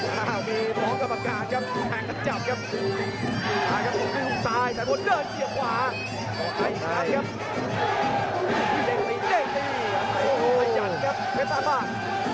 โอ้ไออาจารย์ครับเชียงมันตามบ้าน